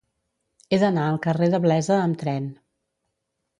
He d'anar al carrer de Blesa amb tren.